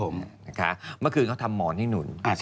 เมื่อคืนเขาทำหมอนให้หนุน